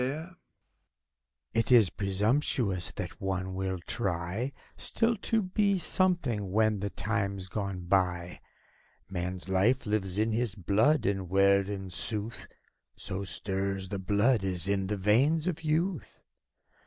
BACCALAUREUS. It is presumptuous, that one will try Still to be something, when the time's gone by. Man's life lives in his blood, and where, in sooth. So stirs the blood as in the veins of youth?